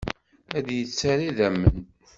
Ad d-yettarra idammen.